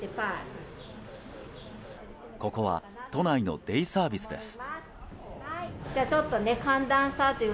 ここは都内のデイサービスです。